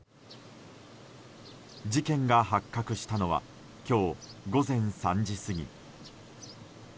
事件が発覚したのは今日午前３時過ぎ。